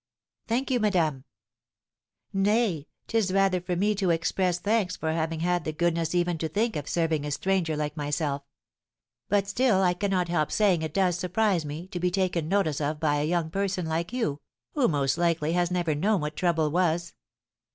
"Thank you, madame." "Nay, 'tis rather for me to express thanks for having had the goodness even to think of serving a stranger like myself. But still I cannot help saying it does surprise me to be taken notice of by a young person like you, who most likely has never known what trouble was."